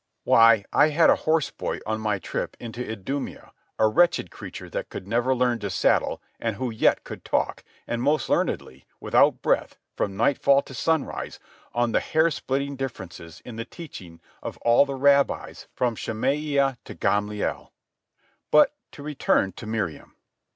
Why, I had a horse boy on my trip into Idumæa, a wretched creature that could never learn to saddle and who yet could talk, and most learnedly, without breath, from nightfall to sunrise, on the hair splitting differences in the teachings of all the rabbis from Shemaiah to Gamaliel. But to return to Miriam.